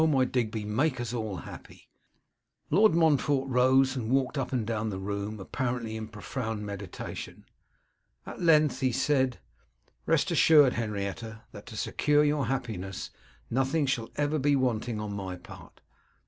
my Digby, make us all happy.' Lord Montfort rose and walked up and down the room, apparently in profound meditation. At length he said, 'Rest assured, Henrietta, that to secure your happiness nothing shall ever be wanting on my part.